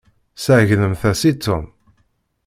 Tɛegnemt-as i Tom?